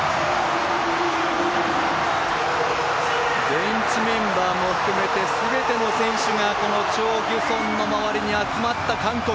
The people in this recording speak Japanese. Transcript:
ベンチメンバーも含めてすべての選手がこのチョ・ギュソンの周りに集まった韓国。